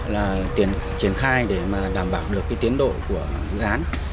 là tiền triển khai để mà đảm bảo được cái tiến độ của dự án